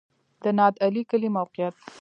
د نادعلي کلی موقعیت